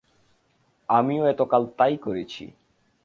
আমিও এতকাল তাই করেছি।